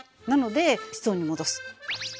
なので室温に戻す。